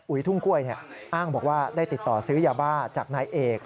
ทุ่งกล้วยอ้างบอกว่าได้ติดต่อซื้อยาบ้าจากนายเอก